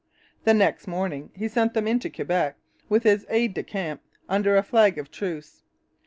The next morning he sent them into Quebec with his aide de camp under a flag of truce.